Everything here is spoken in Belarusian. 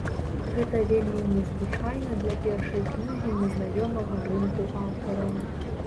Гэта вельмі незвычайна для першай кнігі незнаёмага рынку аўтара.